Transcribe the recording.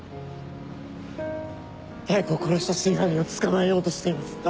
妙子を殺した真犯人を捕まえようとしています。